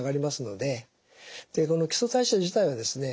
でこの基礎代謝自体はですね